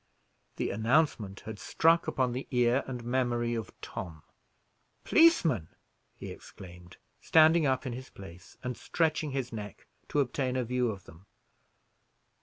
The announcement had struck upon the ear and memory of Tom. "Policemen!" he exclaimed, standing up in his place, and stretching his neck to obtain a view of them.